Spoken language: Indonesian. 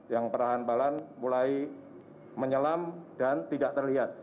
yang perahan perahan mulai menyelam dan tidak terlihat